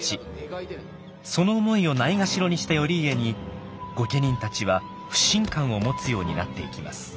その思いをないがしろにした頼家に御家人たちは不信感を持つようになっていきます。